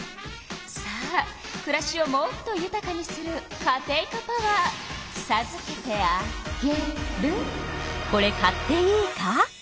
さあくらしをもっとゆたかにするカテイカパワーさずけてあげる。